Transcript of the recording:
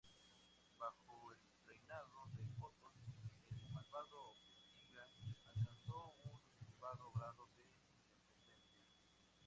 Bajo el reinado de Otón el Malvado Gotinga alcanzó un elevado grado de independencia.